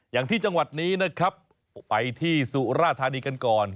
อย่างที่จังหวัดนี้นะครับไปที่สุราธานีกันก่อน